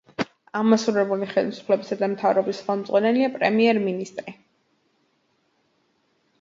აღმასრულებელი ხელისუფლებისა და მთავრობის ხელმძღვანელია პრემიერ-მინისტრი.